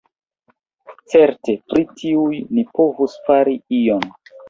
Certe pri tiuj ni povus fari ion.